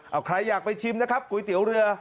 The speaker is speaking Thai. เอาใครอยากไปชิมนะครับก๋วยเตี๋ยวเรือ